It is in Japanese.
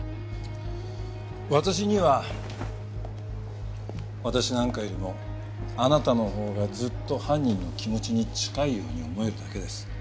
私には私なんかよりもあなたのほうがずっと犯人の気持ちに近いように思えるだけです。